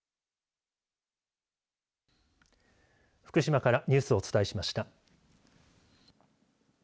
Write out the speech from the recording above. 福島からニュースをお伝えしました。